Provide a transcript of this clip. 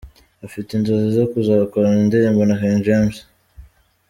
Afite inzozi zo kuzakorana indirimbo na King James.